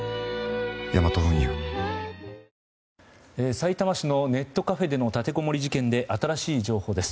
さいたま市のネットカフェでの立てこもり事件で新しい情報です。